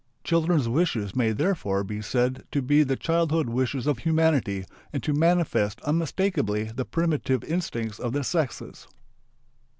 Children's wishes may therefore be said to be the childhood wishes of humanity and to manifest unmistakeably the primitive instincts of the sexes.